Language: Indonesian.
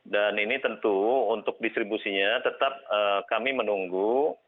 dan ini tentu untuk distribusinya tetap kami menunggu